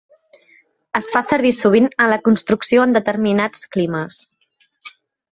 Es fa servir sovint en la construcció en determinats climes.